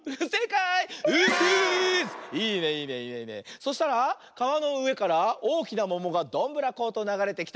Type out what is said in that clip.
そしたらかわのうえからおおきなももがどんぶらことながれてきた。